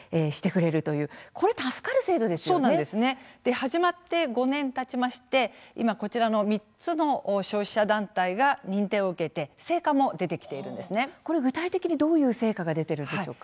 始まって５年たちまして今こちら３つの消費者団体が認定を受けて具体的にどういう成果が出ているんでしょうか。